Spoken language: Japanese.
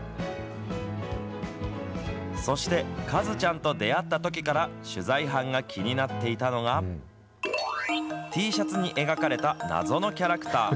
そして、かずちゃんと出会ったときから、取材班が気になっていたのが、Ｔシャツに描かれた謎のキャラクター。